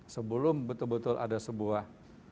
sebelum betul betul ada sebuah